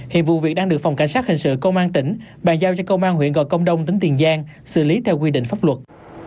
hiện vụ việc đang được phòng cảnh sát hình sự công an tỉnh bàn giao cho công an huyện gò công đông tỉnh tiền giang xử lý theo quy định pháp luật